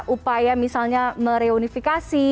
upaya misalnya mereunifikasi